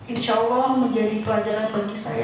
insya allah menjadi pelajaran bagi saya